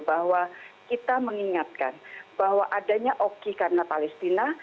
bahwa kita mengingatkan bahwa adanya oki karena palestina